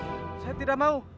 saya tidak mau